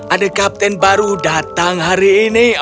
ada kapten baru datang hari ini